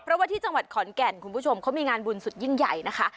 เพราะว่าที่จังหวัดขอนแก่นคุณผู้ชมเขามีงานบุญสุดยิ่งใหญ่นะคะ